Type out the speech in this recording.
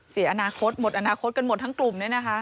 เสียอนาคตหมดอนาคตกันหมดทั้งกลุ่มเนี่ยนะคะ